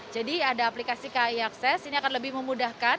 jadi ada aplikasi kai akses ini akan lebih memudahkan